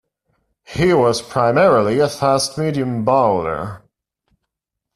He was primarily a fast-medium bowler.